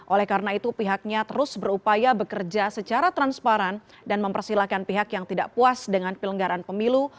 oleh karena itu pihaknya terus berupaya bekerja secara transparan dan mempersilahkan pihak yang tidak puas dengan pilenggaran pemilu